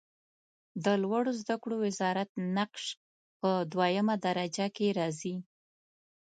د لوړو زده کړو وزارت نقش په دویمه درجه کې راځي.